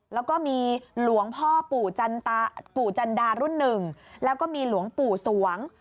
แล้วก็มีหลวงพ่อปู่จันดารุ่นหนึ่งแล้วก็มีหลวงปู่สวง